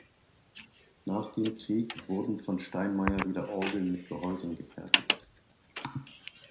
Nach dem Krieg wurden von Steinmeyer wieder Orgeln mit Gehäusen gefertigt.